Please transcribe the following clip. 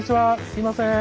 すいません。